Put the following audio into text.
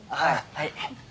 はい。